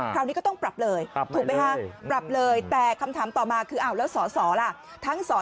คราวนี้ก็ต้องปรับเลยแต่คำถามต่อมาคือข้อละทั้ง